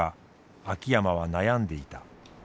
秋山は悩んでいた。